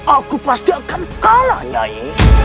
aku pasti akan kalah nyai